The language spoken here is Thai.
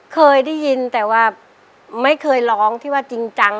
เคยได้ยินแต่ว่าไม่เคยร้องที่ว่าจริงจัง